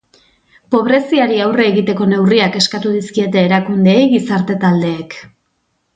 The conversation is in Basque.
Pobreziari aurre egiteko neurriak eskatu dizkiete erakundeei gizarte taldeek.